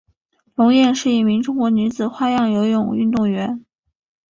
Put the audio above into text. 龙艳是一名中国女子花样游泳运动员。